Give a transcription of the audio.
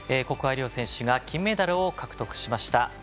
谷愛凌選手が金メダルを獲得しました。